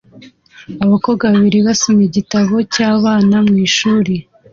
Abakobwa babiri basoma igitabo cyabana mwishuri